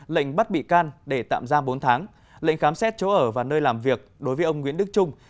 lệnh bắt bị can để tạm giam bốn tháng lệnh khám xét chỗ ở và nơi làm việc đối với ông nguyễn đức trung